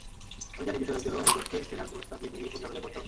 আমি জানি বিচারকদেরও একজনকে সেরার পুরস্কার দিতে গিয়ে খুব ঝামেলায় পড়তে হবে।